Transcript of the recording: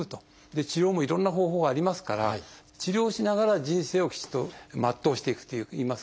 治療もいろんな方法がありますから治療しながら人生をきちっと全うしていくといいますかね